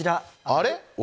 あれ？